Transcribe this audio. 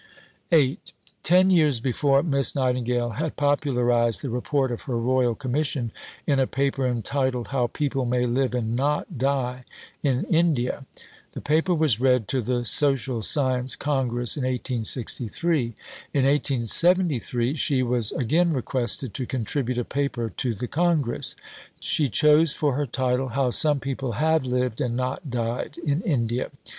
See Bibliography A, Nos. 57, 62. VIII Ten years before Miss Nightingale had popularized the Report of her Royal Commission in a paper entitled "How People may Live and Not Die in India." The Paper was read to the Social Science Congress in 1863. In 1873 she was again requested to contribute a Paper to the Congress. She chose for her title "How some People have Lived, and Not Died in India."